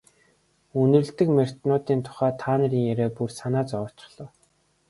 Үнэрлэдэг морьтнуудын тухай та нарын яриа бүр санаа зовоочихлоо.